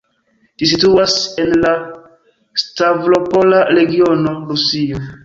Ĝi situas en la Stavropola regiono, Rusio.